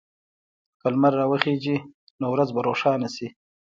که لمر راوخېژي، نو ورځ به روښانه شي.